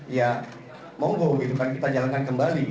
ya monggo gitu kan kita jalankan kembali